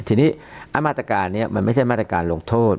ทีนี้มาตรการนี้มันไม่ใช่มาตรการลงโทษ